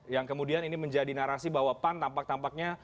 yang kemudian ini menjadi narasi bahwa pan tampak tampaknya